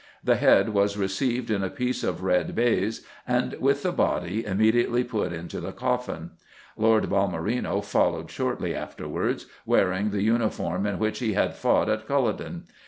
The head was received in a piece of red baize and, with the body, immediately put into the coffin." Lord Balmerino followed shortly afterwards, wearing the uniform in which he had fought at Culloden.